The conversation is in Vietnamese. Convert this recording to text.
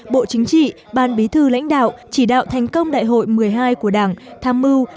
bộ chính trị ban bí thư lãnh đạo chỉ đạo thành công đại hội một mươi hai của đảng tham mưu